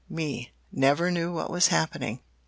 "Me Never knew what was happening.